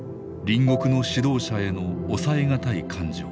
隣国の指導者への抑えがたい感情。